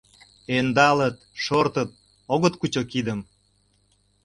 Ӧндалыт, шортыт... огыт кучо кидым...